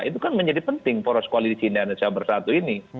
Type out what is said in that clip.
itu kan menjadi penting foros kualisi indonesia bersatu ini